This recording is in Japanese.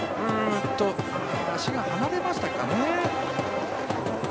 足が離れましたかね。